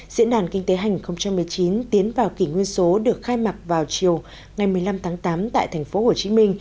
diễn đàn kinh tế hành một mươi chín tiến vào kỷ nguyên số được khai mạc vào chiều ngày một mươi năm tháng tám tại tp hcm